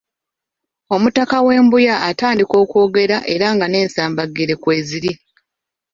Omutaka w'e Mbuya atandika okwogera era nga n'ensambaggere kw'eziri